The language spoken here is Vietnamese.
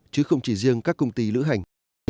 chứ không chỉ riêng các công ty lữ hành